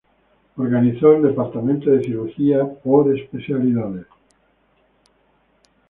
Organizó el Departamento de Cirugía por Especialidades.